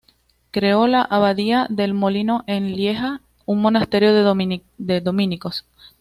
Creó la abadía del Molino en Lieja, un monasterio de dominicos.